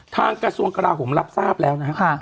กระทรวงกราโหมรับทราบแล้วนะครับ